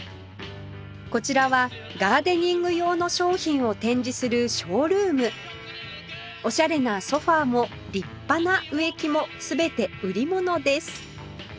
こちらはガーデニング用の商品を展示するショールームおしゃれなソファも立派な植木も全て売り物です